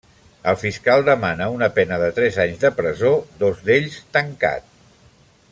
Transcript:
El fiscal demana una pena de tres anys de presó, dos d'ells tancat.